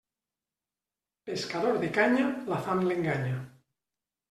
Pescador de canya, la fam l'enganya.